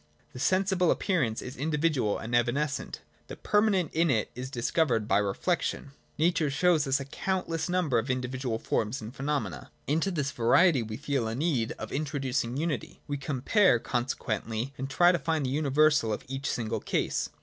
The sensible appearance is individual and evanescent : the permanent in it is discovered by reflection. Nature shows us a countless number of indi vidual forms and phenomena. Into this variety we feel a need of introducing unity : we compare, consequently, and try to find the universal of each single case.